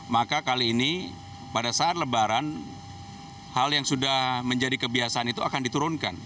maka kali ini pada saat lebaran hal yang sudah menjadi kebiasaan itu akan diturunkan